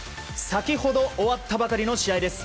先ほど終わったばかりの試合です。